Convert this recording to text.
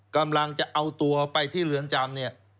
กำลังจะเอาตัวไปที่เรือนจำเนี่ย